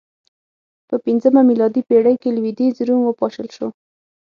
په پنځمه میلادي پېړۍ کې لوېدیځ روم وپاشل شو